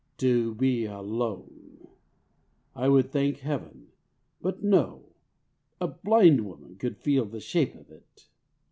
To be alone! I would thank heaven.... But no! a blind woman could feel the shape of it."